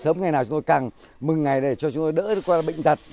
sống ngày nào chúng tôi càng mừng ngày này để cho chúng tôi đỡ qua bệnh tật